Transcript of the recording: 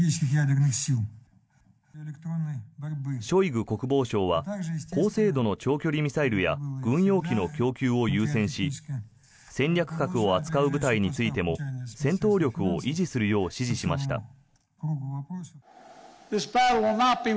ショイグ国防相は高精度の長距離ミサイルや軍用機の供給を優先し戦略核を扱う部隊についても戦闘力を維持するよう指示しました。